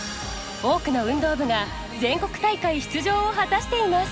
多くの運動部が全国大会出場を果たしています。